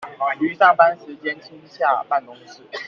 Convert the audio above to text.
於上班時間親洽辦公室